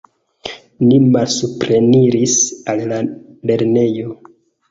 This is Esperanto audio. Ni malsupreniris al la lernejo.